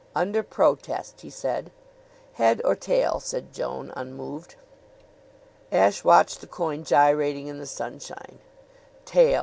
"Under protest," he said. "Head or tail?" said Joan, unmoved. Ashe watched the coin gyrating in the sunshine. "Tail!"